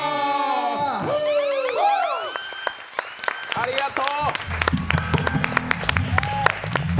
ありがと！